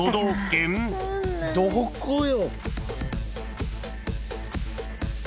・どこよ？